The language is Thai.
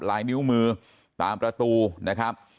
ลายนิ้วมือตามประตูนะครับ